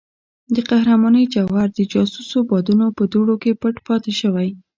د قهرمانۍ جوهر د جاسوسو بادونو په دوړو کې پټ پاتې شوی.